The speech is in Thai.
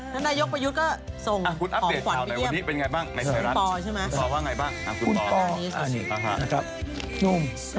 เหรอะถ้าอายุกล์ปยุฑก็ส่งของควันมา